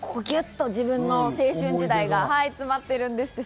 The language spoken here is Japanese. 自分の青春時代が詰まっているんですって。